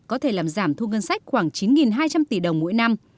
có thể làm giảm thu ngân sách khoảng chín hai trăm linh tỷ đồng mỗi năm